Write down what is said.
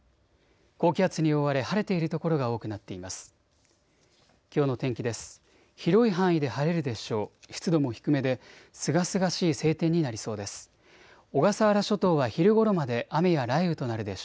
高気圧に覆われ晴れている所が多くなっています。